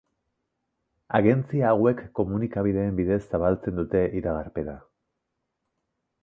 Agentzia hauek komunikabideen bidez zabaltzen dute iragarpena.